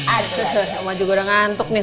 aduh sama juga udah ngantuk nih